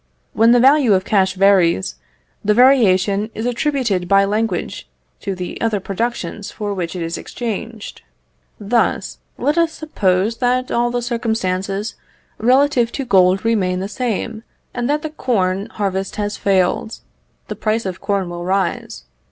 When the value of cash varies, the variation is attributed by language to the other productions for which it is exchanged. Thus, let us suppose that all the circumstances relative to gold remain the same, and that the corn harvest has failed. The price of corn will rise.